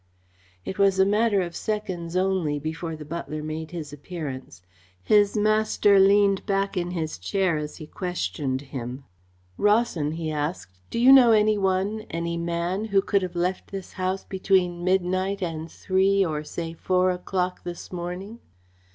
It was a matter of seconds only before the butler made his appearance. His master leaned back in his chair as he questioned him. "Rawson," he asked, "do you know any one any man who could have left this house between midnight and three or say four o'clock this morning?"